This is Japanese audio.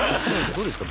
どうですか？